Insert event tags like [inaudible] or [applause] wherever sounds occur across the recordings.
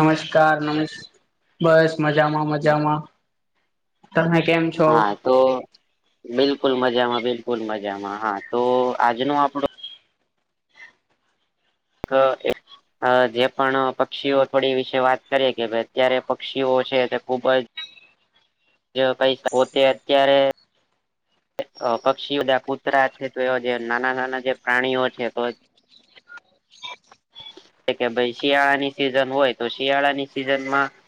નમસ્કાર નમસ્ બસ મજામાં મજામાં. તમે કેમ છો હા તો બિલકુલ મજામાં બિલકુલ મજામાં હા તો આજનો આપડો એ [inaudible] અ જે પણ પક્ષીઓ થોડી વિશે વાત કરીએ કે ભ અત્યારે પક્ષીઓ છે તે ખુબ જ જો પૈ પોતે અત્યારે પક્ષી બધા કૂતરા છે તો એ જે નાના નાના જે પ્રાણીઓ છે તો કે ભાઈ શિયાળાની સિઝન હોય તો શિયાળાની સિઝનમાં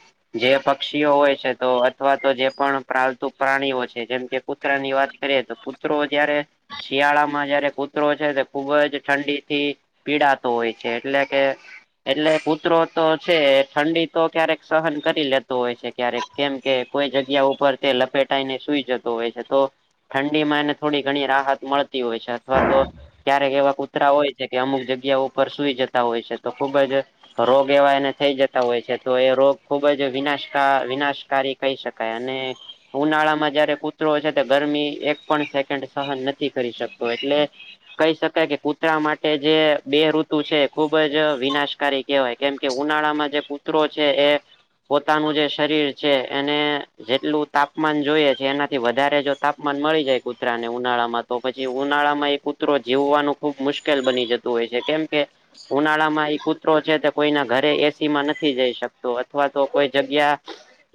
જે પક્ષીઓ હોય છે તો અથવા તો જે પણ પાાલતુ પ્રાણીઓ છે જેમ કે કુતરા ની વાત કરીએ તો કુતરો જયારે શિયાળા માં જયારે કૂતરો છે ખુબ જ ઠંડી થી પીડાતો હોય છે એટલે કે એટલે કુતરો તો છે ઠંડી તો ક્યારેક સહન કરી લેતો હોય છે ક્યારેક કેમ કે કોઈ જગ્યા ઉપર તે લપેટાઈને સુઈ જતો હોય છે તો ઠંડી માં એને થોડી ઘણી રાહત મળતી હોય છે અથવા તો ક્યારેક એવા કૂતરા હોય છે કે અમુક જગ્યા ઉપર સુઈ જતા હોય છે તો ખુબ જ રોગ એવા એને થઈ જતા હોય છે તો એ રોગ ખુબ જ વિનાશ વિનાશકારી કહી શક કય અને ઉનાળા માં જયારે કૂતરો છે, ગરમી એક પણ સેકન્ડ સહન નથી કરી શકતો એટલે કહી શકાય કે કૂતરા માટે જે બે ઋ તું છે ખુબ જ વિનાશકારી કહેવાય કેમ કે ઉનાળામાં જે કૂતરો છે એ પોતાનું જે શરીર છે એને જેટલું તાપમાન જોઈએ છે એનાથી વધારે જો તાપમાન મળી જાય કુતરા ને ઉનાળામાં તો પછી ઉનાળામાં એક કૂતરો જીવવાનું ખુબ મુશ્કેલ બની જતું હોય છે કેમ કે ઉનાળામાં એ કૂતરો છે તે કોઈના ઘરે એસી માં નથી જઈ શકતો અથવા તો કોઈ જગ્યા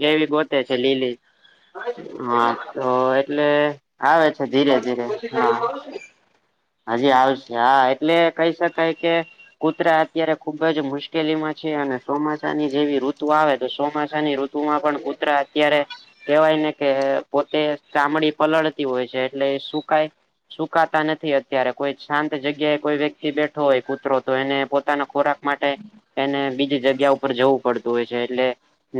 એવી ગોતે છે લીલી. હા તો એટલે આવે છે ધીરે ધીરે હા હજી આવશે હા એટલે કહી શકાય કે કૂતરા અત્યારે ખુબ જ મુશ્કેલીમાં છે અને ચોમાસા ની જેવી ઋતુ આવે તો ચોમાસાની ઋ તું માં પણ કુતરા અત્યારે કેવાય ને કે પોતે ચામડી પલળતી હોય છે એટલે સુકાય સુકાતા નથી અત્યારે કોઈ શાંત જગ્યાએ કોઈ વ્યક્તિ બે ઠો હોય કુતરો તો એને પોતાના ખોરાક માટે એને બીજી જગ્યા ઉપર જવું પડતું હોય છે એટલે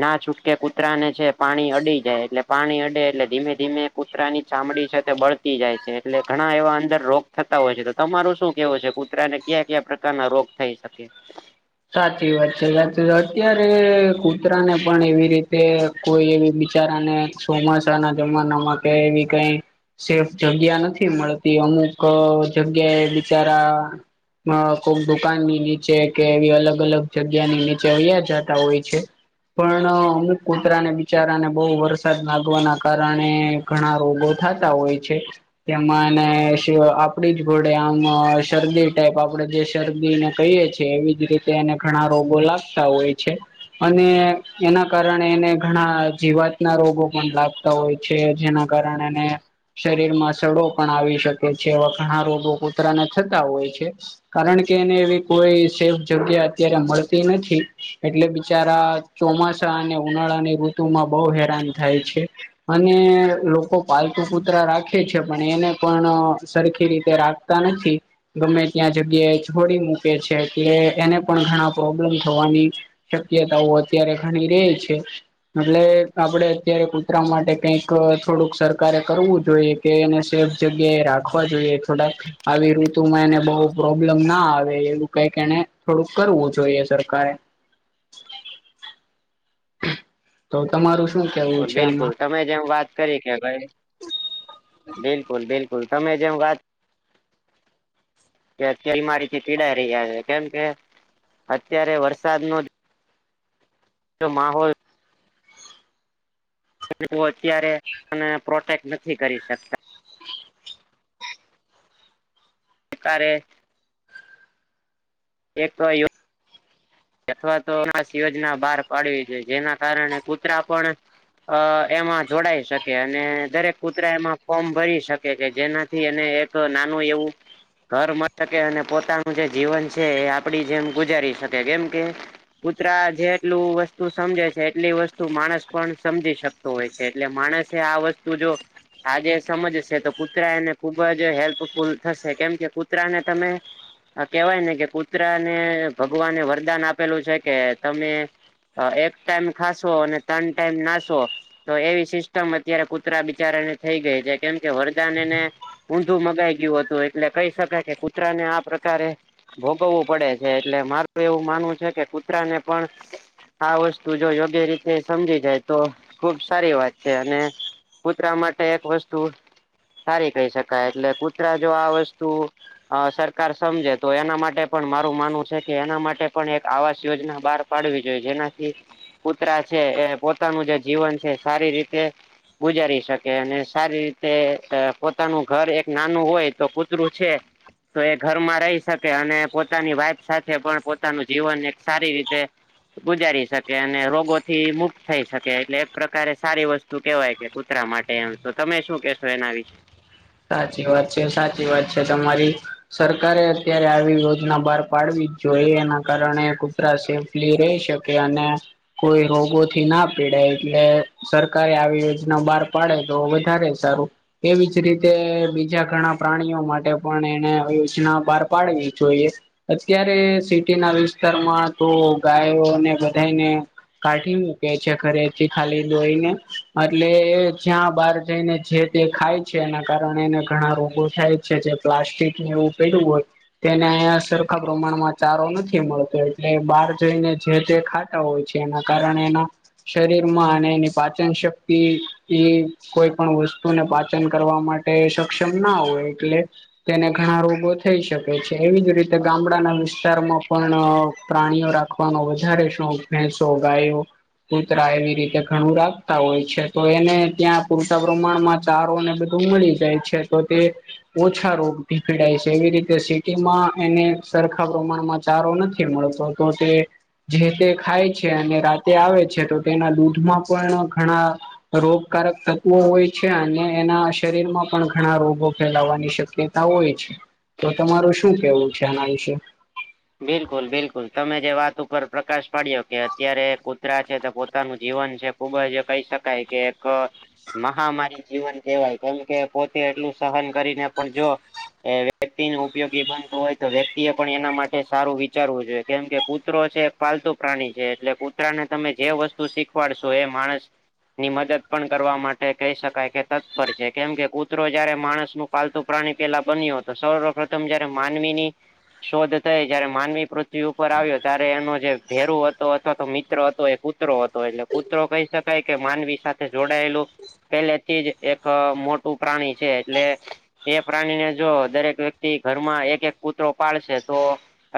ના છૂટકે કૂતરા ને છે પાણી અડી જાય એટલે પાણી અડે એટલે ધીમે ધીમે કૂતરા ની ચામડી છે તે બળતી જાય છે એટલે ઘણા એવા અંદર રોગ થતા હોય છે તો તમારું શું કેહેવું છે કૂ કતરાને ક્યાં ક્યાં પ્રકારના રોગ થઈ શકે? - સાચી વાત છે સાચી અત્યારે કૂતરાને પણ એવી રીતે કોઈ એવી બિચારાને ચોમાસા ના જમાનામાં કે એવી કઈ સેફ જગ્યા નથી મળતી અમુક જગ્યાએ બિચારા કોક દુકાન ની નીચે કે એવી અલગ અલગ જગ્યા ની નીચે અયા જતા હોય છે. - પણ અમુક કૂતરાને બિચારાને બહુ વરસાદ લાગવાના કારણે ઘણા રોગો થતા હોય છે. - તેમાંને આપડી જ ઘોડે આમ શરદી ટાઈપ આપડે જે શરદીને કહીએ છે. - એવી જ રીતે એને ઘણા રોગો લાગતા હોય છે. - અને એના કારણે એને ઘણા જીવાત ના રોગો પણ લાગ હોય છે જેના કારણેને શરીર માં સડો પણ આવી શકે છે વખણા રોગો કૂતરાને થતા હોય છે. - કારણ કે એને એવી કોઈ સે જગ્યા અત્યારે મળતી નથી એટલે બિચારા ચોમાસા અને ઉનાળા ની ર માં બહુ હેરાન થાય છે. - અને લોકો પાલતુ કુતરા રાખે છે પણ એને પણ સરખી રીતે રાખ નથી ગમે ત્યાં જગ્યાએ છોડી મૂકે છે એટલે એને પણ ઘણા પ્રોબ્લેમ થવાની શક્યતાઓ અત્યારે ઘણી રે છે. - એટલે આપડે અત્યારે કુતરા માટે કઈક થોડુંક સરકારે કરવું જોઈએ. - કે એને સેફ જગ્યા એ રાખવા જોઈએ થોડાક આવી ઋતુમાં એને બહ પ્રોબ્લેમ ના આવે એવું કઈક એને થોડુંક કરવું જોઈએ સરકારે. - તો તમારું શું કેવું છે બિલકુલ એમાં તમે જેમ વાત કરિ કે ભાઈ બિલકુલ બિલકુલ તમે જેમ વાત તેલમાંરીથી પીડાઈ રહ્યા છે કેમ કે અત્યારે વરસાદ નોજ જો માહોલ અત્યારે મ પ્રોટેક્ટ નથી કરી શકતા અરે એક તો અથવા તો અસ યોજના બહાર પાડવી જો જેના કારણે કૂતરા પણ અ એમાં જોડાઈ શકે અને દરેક કૂતરા એમાં ફોર્મ ભરી શકે છે જેના થિ અને એક નાનું એવું ઘર મળ શકે અને પોતાનું જે જીવન છે એ આપડી જેમ ગુજારી શકે કેમ કે કૂતરા જેટલું વસ્તુ સમજે છે એટલી વસ્તુ માણસ પણ સમજી શકે હોય છે એટલે માણસે આ વસ્તુ જો આજે સમજશે તો કૂતરા એને ખુબ જ હેલ્પફુલ થશે કેમ કે કૂતરાને તમે આ કેહેવાય ને કે કૂતરા ને ભગવાને વરદાન આપેલું છે કે તમે એક ટાઈમ ખાાસો અને ત્રણ ટાઈમ નાશો તો એવી સિસ્ટમ અત્યારે કુતરા બિચારાને થઈ ગઈ છે કેમ કે વરદાનેને ઊંધું મગાઈ ગયું હતું એટલે કહી શકાય કે કૂતરા ને આ પ્રકારે ભોગવવું પડે છે એટલે મારું એવું માનવું છે કે કૂતરાને પણ આ વસ્તુ જો યોગ્ય રીત સમજી જાય તો ખુબ સારી વાત છે અને કૂતરા માટે એક વસ્તુ સારી કહી શકાય એટલે કૂતરા જો આ વસ્તુ અ સરકાર સમજે તો એના માટે પણ મારું માનવું છે કે એના માટે પણ એક આવાસ યોજના બહાર પાડવી જોઈએ જેનાથી કુતરા છે એ પોતાનું જે જીવન છે સારી રીતે ગુજારી શકે અને સારી રીતે પોતાનું ઘર એક નાનું હોય તો કૂતરું છે. તો એ ઘરમાં રહી શકે અને પોતાની વાઈફ સાથે પણ પોતાનું જીવન એક સારી રીતે ગુજારી શકે અને રોગો થી મુક્ત થઈ શકે એટલે એક પ્રકારે સારી વસ્તુ કેવાય કે કૂતરા માટે એમ તો તમે શું કેહેશો એના વિશે સાચી વાત છે સાચી વાત છે તમારી સરકારે અત્યારે આવી યોજના બહાર પાડવી જ જોઈએ એના કારણે કુતરા સેફલી રહી શકે અને કોઈ રોગોથી ના પીડાય એટલે સરકારે આવી યોજના બહાર પાડે તો વધારે સારું એવીજ રીતે બીજા ઘણા પ્રાણીઓ માટે પણ એને યોજના બહાર પાડવી જોઈએ. અત્યારે સિટીના વિસ્તારમાં તો ગાયોને બધાયને કાઠી મૂકે છે ધરેથી ખાલી લોહીને અટલે જ્યાં બહાર જઈને જે તે ખાય છે એના કારણે એને ઘણા રોગો થાય છે જે પ્લાસ્ટિકને એવું પેયડુ હોય તેને સરખા પ્રમાણમાં ચારો નથી મળતો એટલે બહાર જઈને જે તે ખા તા હોય છે એના કારણે એના શરીરમાં અને એની પાચન શક્તિ એ કોઈ પણ વસ્તુને પાચન કરવા માટે સક્ષમ ના હોય એટલે તેને ઘણા રોગો થઈ શકે છે એવી જ રીતે ગામડાના વિસ્તારમાં પણ પ્રાણીઓ રાખ વાનો વધારે શોખ ભેંસો ગાયો કૂતરા એવી રીતે ઘણું રાખતા હોય છે તો એને ત્યાં પૂરતા પ્રમાણમાં ચારોને બધું મળી જાય છે તો તે ઓછા રોગથી પીડાય છે એવી રીતે સિટીમાં એને સરખા પ્રમાણમાં ચારો નથી મળતો. તો તે જે તે ખાય છે અને રાતે આવે છે તો તેના દૂધમાં પણ ઘણા રોગકારક તત્વો હોય છે અને એના શરીર માં પણ ઘણા રોગો ફેલાવાની શક્યતા હોય છે તો તમારું શું કેવું છે આના વિશે? બિલકુલ, બિલકુલ તમે જે વાત ઉપર પ્રકાશ પાડ્યો કે અત્યારે કુતરા છે તો પોતાનું જીવન છે ખૂબ જ કહી શકાય કે એક અ મહામારી જીવન કેહેવાય કેમકે પોતે એટલું સહન કરીને પણ જો એ વ્યક્તિને ઉપયોગી બનતો હોય તો વ્યક્તિ એ પણ એના મા ટે સારું વિચારવું જોઈએ કેમ કે કૂતરો છે એક પાલતુ પ્રાણી છે એટલે કૂતરા ને તમે જે વસ્ તું શીખવાડસો એ માણસ ની મદદ પણ કરવા માટે કહી શકાય કે તત્પર છે કેમ કે કૂતરો જારે માણસનું પાલતું પ્રાણી પેલા બન્યો હતો સર્વ પ્રથમ જયારે માનવીની શોધ થઈ જયારે માનવી પૃથ્વી ઉપર આવ્યો ત્યારે એનો જે ભેરુ હતો અથવા તો મિત્ર હતો એ કુતરો હતો એટલે કૂતરો કહી શકાય કે માનવી સાથે જોડાયેલો પેલેથી જ એક અ મોટું પ્રાણી છે એટલે એ પ્રાણીને જો દરેક વ્યક્તિ ઘરમાં એક એક કૂતરો પાળશે તો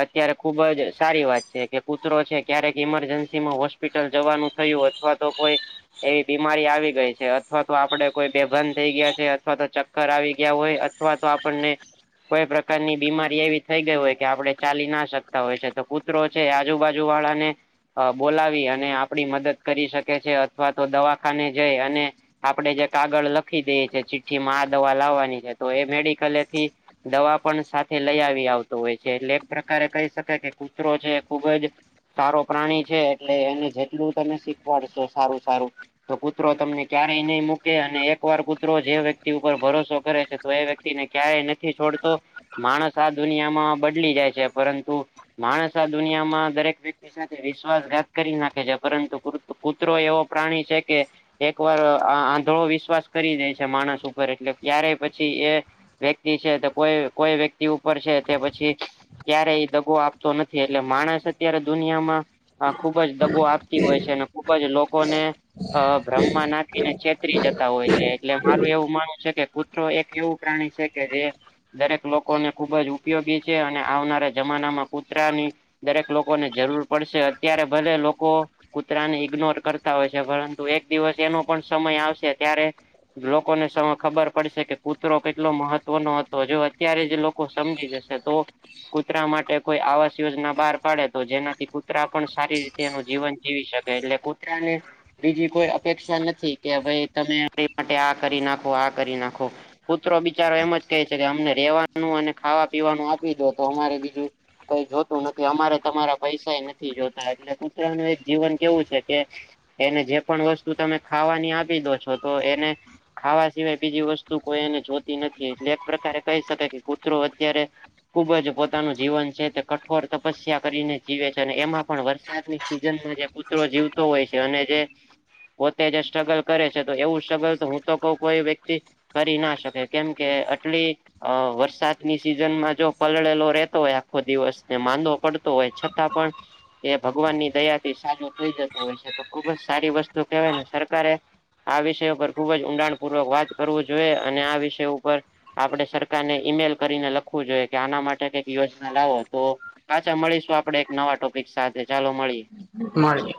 અત્યારે ખુબ જ સારી વાત છે કે કૂતરો છે ક્યારેક ઈમરજન્સીમાં હોસ્પિટલ જવાનું થયું હોત અથવા તો કોઈ એવી બીમારી આવી ગઈ છે અથવા તો આપડે કોઈ બેભાન થઈ ગયા છે અથવા તો ચક કર આવી ગયા હોય અથવા તો આપણને કોઈ પ્રકારની બીમારી એવી થઈ ગઈ હોય કે આપડે ચાલી ના શકતા હોય છે તો કુતરો છે આજુબાજુ વાળાને અ બોલાવી અને આપડી મદદ કરી શકે છે અથવા તો દવાખાને જઈ અને આપડે જે કાગળ લખી દઈએ છે ચિઠ્ઠીમાં આ દવા લાવવાની છે તો એ મેડિકલેથી દવા પણ સાથે લઈ આવી આવતો હોય છે, એટલે એક પ્રકારે કહી શકાય કે કૂતરો છે એ ખુબ જ સારો પ્રાણી છે એટલે એને જેટલું તમે શીખવાડશો સારું સારું તો કુતરો તમને ક્યારેય નહીં મૂકે અને એક વાર કુતરો જે વ્યક્તિ ઉપર ભરોસો કરે છે તો એ વ્યક્ તીને ક્યારેય નથી છોડતો માણસ આ દુનિયામાં બદલી જાય છે, પરંતુ માણસ આ દુનિયામાં દરેક વ્યક્તિ સાથે વિશ્વાસઘાત કરી નાખે છે પરંતુ કૂટ કૂતરો એવો પ્રાણી છે કે એક વાર અ આંધળો વિશ્વાસ કરી દે છે માણસ ઉપર એટલે ક્યારેય પછી એ વ્યક્તિ છે તે કોઈ કોઈ વ્યક્તિ ઉપર છે તે પછી ક્યારેય દગો આપતો નથી એટલે માણસ અત્યારે દુનિયામાં અ ખુબ જ દગો આપતી હોય છે અને ખુબ જ લોકોને અ બ્રહ્મા નાખીને છેતરી જતા હોય છે એટલે મારું એવું માનવું છે કે કુ તરો એક એવું પ્રાણી છે કે જે દરેક લોકો ને ખુબજ ઉપયોગી છે અને આવનારા જમાનામાં કુતરાની દરેક લોકોને જરૂર પડશે અત્યારે ભલે લોકો કૂતરાને ઈગ્નોર કરતા હોય છે પરંતુ એક દિવસ એનો પણ સમય આવશે ત્યારે લોકોને સમ ખબર પડશે કે કૂતરો કેટલો મહત્વ નો હતો જો અત્યારે જ લોકો સમજી જશે તો કૂતરા માટે કોઈ આવાસ યોજના બહાર પાડે તો જેનાથી કૂતરા પણ સારી રીતે એનું જીવન જીવી શકે એટલે કૂતરાને બીજી કોઈ અપેક્ષા નથી કે ભઈ તમે મારી માટે આ કરી નાખો, આ કરી નાખો કૂતરો બિચારો એમ જ કહે છે કે અમને રેવાનું અને ખાવા પીવાનું આપી દો તો અમારે બીજું કઈ જોતું નથી અમારે તમારા પૈસા એ નથી જોતા એટલે કુતરાનું એક જીવન કેવું છે કે એને જે પણ વસ્તુ તમે ખાવાની આપીદો છો તો એને ખાવા સિવાય બીજી વસ્તુ કોઈ એને જોતી નથી એટલે એક પ્રકારે કહી શકાય કે કૂતરો અત્યારે ખુબ જ પોતાનું જીવન છે તે કઠોર તપસ્યા કરીને જીવે છે અને એમાં પણ વરસાદની સિઝનમાં જે કુ તરો જીવતો હોય છે અને જે પોતે જે સ્ટ્રગલ કરે છે તો એવું સ્ટ્રગલ તો હું તો કઉ કોઈ વ્યક્તિ કરી ના શકે કેમકે અટલી વરસાદની સિઝનમાં જો પલળેલો રેહેતો હોય આખો દિવસ ને માંદો પડતો હોય છતાં પણ એ ભગવાનની દયાથી સાજો થઈ જતો હોય છે તો ખુબ જ સારી વસ્તુ કેહેવાય ને સરકારે આ વિષય ઉપર ખુબ જ ઊંડાણપૂર્વક વાત કરવું જોઈએ અને આ વિષય ઉપર આપડે સરકારને ઈમેલ કરીને લખવું જોઈએ. કે આના માટે કંઈક યોજના લાવોતો પાછા મળીશું આપડે એક નવા ટોપિક સાથે ચાલો મળીએ, મળે.